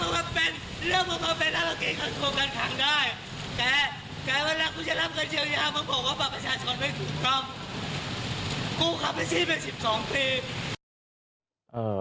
กูขับให้ชิ้นไป๑๒ปี